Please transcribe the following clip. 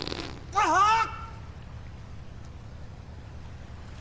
あああっ！